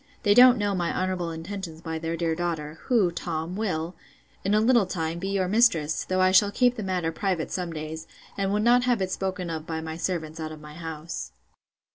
They don't know my honourable intentions by their dear daughter; who, Tom, will, in a little time, be your mistress; though I shall keep the matter private some days, and would not have it spoken of by my servants out of my house.